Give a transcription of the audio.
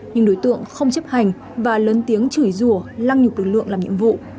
nhưng đối tượng không chấp hành và lớn tiếng chửi rùa lăng nhục lực lượng làm nhiệm vụ